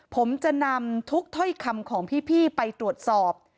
ผมจะนำทุกถ้อยคำของพี่ไปตรวจสอบ